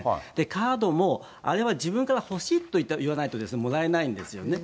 カードもあれは自分から欲しいと言わないともらえないんですよね。